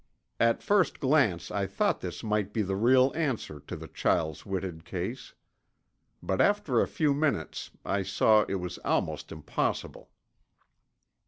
At first glance I thought this might be the real answer to the Chiles Whitted case. But after a few minutes I saw it was almost impossible.